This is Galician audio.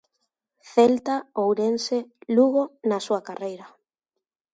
Celta, Ourense, Lugo na súa carreira.